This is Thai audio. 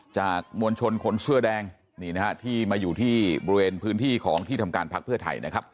มวลชนคนเสื้อแดงนี่นะฮะที่มาอยู่ที่บริเวณพื้นที่ของที่ทำการพักเพื่อไทยนะครับ